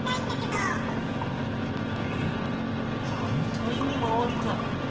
えっはんたいにまわりたい？